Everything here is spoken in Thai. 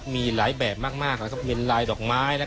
มีหลายแบบมากเป็นลายดอกไม้